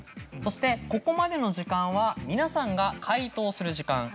そしてここまでの時間は皆さんが解答する時間。